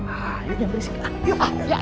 jangan berisik lah